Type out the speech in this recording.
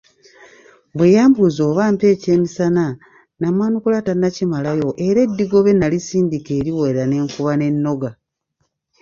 Bwe yambuuza oba ampe ekyemisana namwanukula tannakimalayo era eddigobe nasindika eriwera ne nkuba n'ennoga.